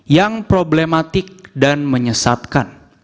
yang problematik dan menyesatkan